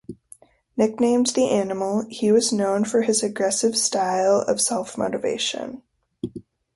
Nicknamed "The Animal", he was known for his aggressive style of self-motivation.